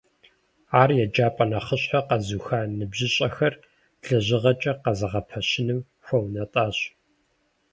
Ар еджапӀэ нэхъыщхьэр къэзуха ныбжьыщӀэхэр лэжьыгъэкӀэ къызэгъэпэщыным хуэунэтӀащ.